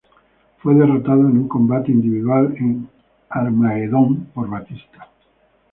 Fue derrotado en un combate individual en Armageddon por Batista.